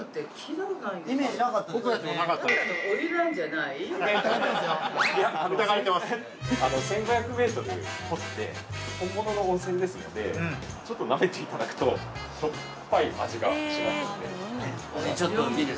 ◆いや、１５００メートル掘って、本物の温泉ですので、ちょっとなめていただくとしょっぱい味がしますので。